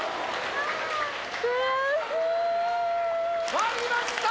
割りました！